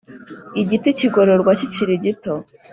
Igiti kigirorwa kikiri gito